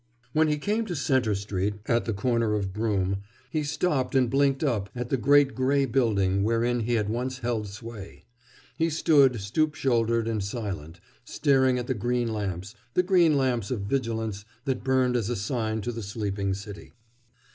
When he came to Centre Street, at the corner of Broome, he stopped and blinked up at the great gray building wherein he had once held sway. He stood, stoop shouldered and silent, staring at the green lamps, the green lamps of vigilance that burned as a sign to the sleeping city.